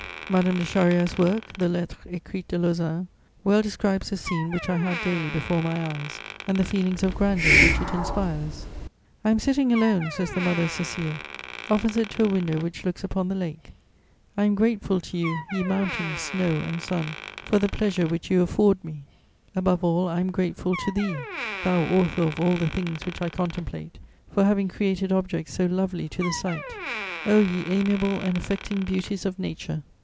Madame de Charrière's work, the Lettres écrites de Lausanne, well describes the scene which I had daily before my eyes, and the feelings of grandeur which it inspires: "I am sitting alone," says the mother of Cécile, "opposite to a window which looks upon the lake. I am grateful to you, ye mountains, snow, and sun, for the pleasure which you afford me. Above all, I am grateful to Thee, Thou Author of all the things which I contemplate, for having created objects so lovely to the sight.... O ye amiable and affecting beauties of nature!